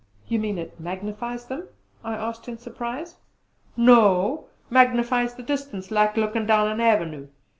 "You mean it magnifies them?" I asked in surprise. "No! Magnifies the distance, like lookin' down an avenue!